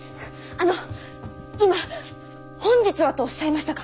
あの今「本日は」とおっしゃいましたか？